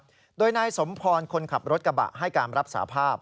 ร่วมไอศีลหมาย๐๗๙โดยนายสมพรฯคนขับรถกระบะให้กรามรับสาภาพ